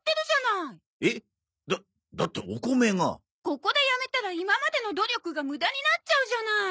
ここでやめたら今までの努力が無駄になっちゃうじゃない！